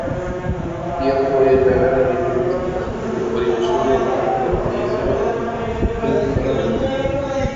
মিডিয়াপ্রো-এর ব্যানারে নির্মিত চলচ্চিত্রটি পরিবেশনের দায়িত্ব নিয়েছেন ফিল্ম ফ্যাক্টরি।